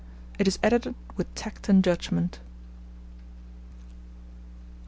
It is edited with tact and judgment.